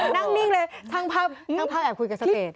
นั่งนิ่งเลยช่างพร่างแอบคุยกับสเตศ